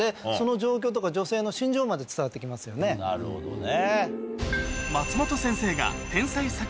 なるほどね。